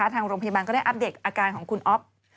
ทางโรงพยาบาลก็ได้อัปเดตอาการของคุณอ๊อฟ